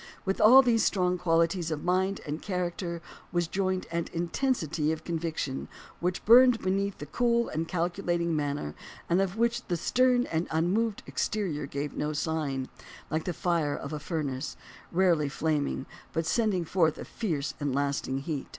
With all these strong qualities of mind and character was joined an intensity of conviction which burned beneath the cool and calculating manner and of which the stern and unmoved exterior gave no sign, like the fire of a furnace, rarely flaming, but sending forth a fierce and lasting heat.